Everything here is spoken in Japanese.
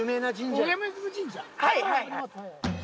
はいはい。